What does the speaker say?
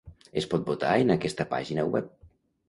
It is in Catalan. Es pot votar en aquesta pàgina web.